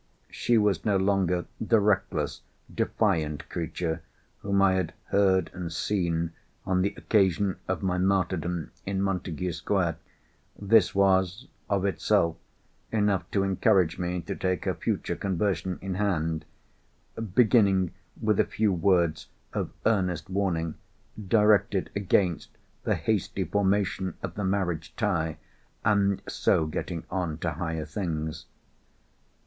She was no longer the reckless, defiant creature whom I had heard and seen, on the occasion of my martyrdom in Montagu Square. This was, of itself, enough to encourage me to take her future conversion in hand—beginning with a few words of earnest warning directed against the hasty formation of the marriage tie, and so getting on to higher things.